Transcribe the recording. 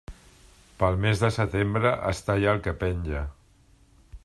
Pel mes de setembre, es talla el que penja.